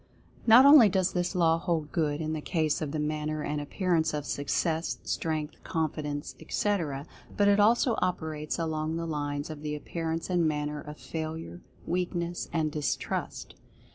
Not only does this law hold good in the case of the manner and appearance of Success, Strength, Confi dence, etc., but it also operates along the lines of the appearance and manner of Failure, Weakness, and Distrust.